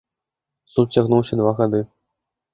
Суд цягнуўся два гады.